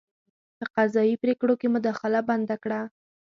په قضايي پرېکړو کې مداخله بنده کړه.